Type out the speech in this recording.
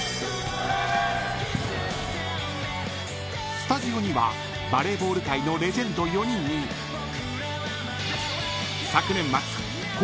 ［スタジオにはバレーボール界のレジェンド４人に昨年末高校バスケ